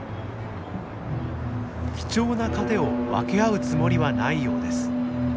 貴重な糧を分け合うつもりはないようです。